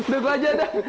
dari belakang aja dah